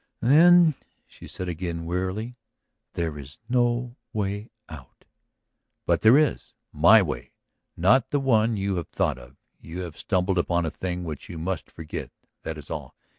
"Then," she said again wearily, "there is no way out." "But there is! My way, not the one you have thought of. You have stumbled upon a thing which you must forget; that is all.